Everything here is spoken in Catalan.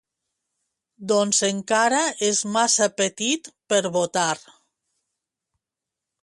Doncs encara és massa petit per votar.